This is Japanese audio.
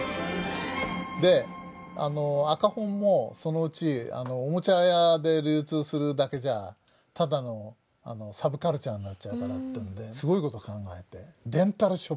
で赤本もそのうちおもちゃ屋で流通するだけじゃただのサブカルチャーになっちゃうからってんですごいこと考えてレンタルショップ作ったんです。